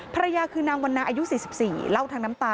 ภรรยาคือนางวันนาอายุ๔๔เล่าทางน้ำตา